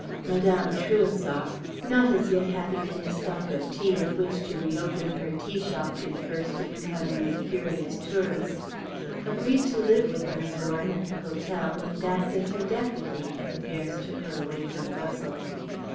Madame Trouessart, not as yet having any stock of tea with which to reopen her tea shop to the first incoming of curious tourists, agreed to live with Miss Warren at the hotel and act as her deputy, if affairs took her away from Brussels.